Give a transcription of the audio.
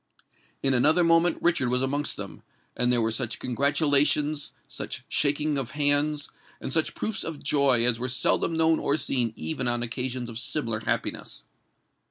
In another moment Richard was amongst them; and there were such congratulations—such shaking of hands—and such proofs of joy as were seldom known or seen even on occasions of similar happiness.